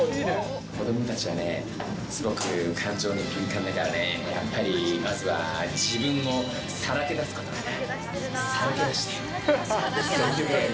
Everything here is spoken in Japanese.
子どもたちはね、すごく感情に敏感だからね、やっぱりまずは自分をさらけ出すことだね。